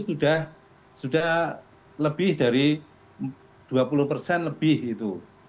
sudah sudah lebih dari dua puluh lebih itu